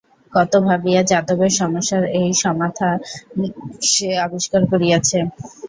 কত ভাবিয়া যাদবের সমস্যার এই সমাথা ন সে আবিষ্কার করিয়ারেছ।